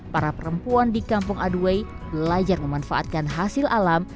para perempuan di kampung aduway belajar memanfaatkan hasil alam